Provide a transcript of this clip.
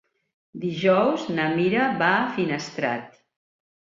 Dijous na Mira va a Finestrat.